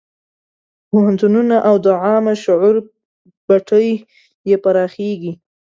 پوهنتونونه او د عامه شعور بټۍ یې پراخېږي.